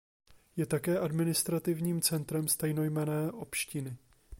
Je také administrativním centrem stejnojmenné obštiny.